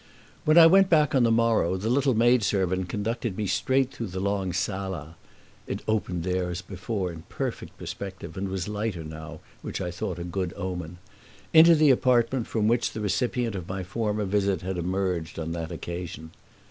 When I went back on the morrow the little maidservant conducted me straight through the long sala (it opened there as before in perfect perspective and was lighter now, which I thought a good omen) into the apartment from which the recipient of my former visit had emerged on that occasion.